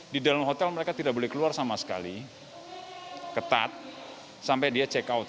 di dalam hotel mereka tidak boleh keluar sama sekali ketat sampai dia check out